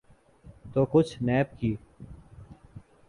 تو کچھ نیب کی۔